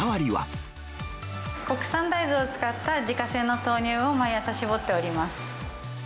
国産大豆を使った、自家製の豆乳を毎朝搾っております。